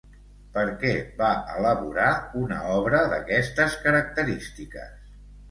Per què va elaborar una obra d'aquestes característiques?